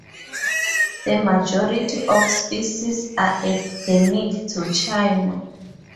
The majority of species are endemic to China.